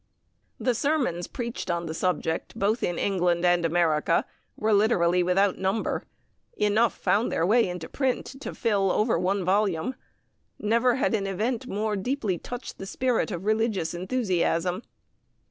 " The sermons preached on the subject, both in England and America, were literally without number. Enough found their way into print to fill over one volume. Never had an event more deeply touched the spirit of religious enthusiasm.